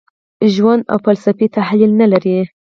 ژور او فلسفي تحلیل نه لري.